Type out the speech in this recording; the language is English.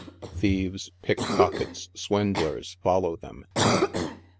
Thieves, pickpockets, swindlers, follow them.